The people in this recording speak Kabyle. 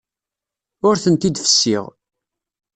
Ur tent-id-fessiɣ.